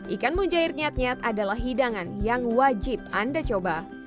ikan mujair nyat nyat adalah hidangan yang wajib anda coba